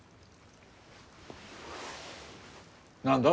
何だ？